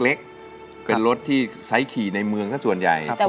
เล็กเป็นรถที่ใช้ขี่ในเมืองซะส่วนใหญ่